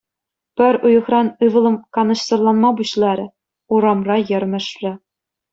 Пӗр уйӑхран ывӑлӑм канӑҫсӑрланма пуҫларӗ, урамра йӗрмӗшрӗ.